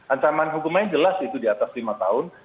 ancaman hukumannya jelas itu di atas lima tahun